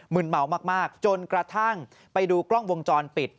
ืนเมามากจนกระทั่งไปดูกล้องวงจรปิด